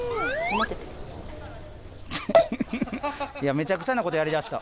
めちゃくちゃなことやりだした。